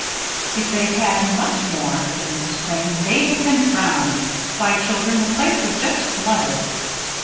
"If they'd had much more," said Mrs. Crane, "they'd have been drowned. Why, children! the place was just flooded."